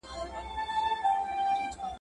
• يوه ويل کور مي تر تا جار، بل واښکى ورته وغوړاوه.